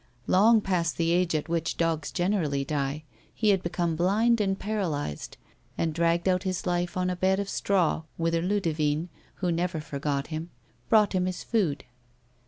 Long past the age at which dogs generally die, he had become blind and paralysed, and dragged out his life on a bed of straw whither Ludivine, who never forgot him, brought him his food.